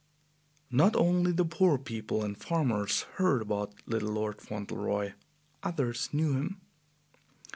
Not only the poor people and farmers heard about little Lord Fauntleroy; others knew him.